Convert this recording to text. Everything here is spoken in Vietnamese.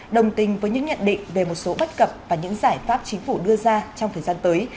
đồng tình với những nhận định về một số bất cập và những giải pháp chính phủ đưa ra trong thời gian tới